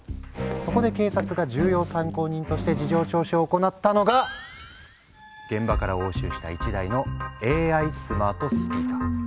そこで警察が重要参考人として事情聴取を行ったのが現場から押収した１台のＡＩスマートスピーカー。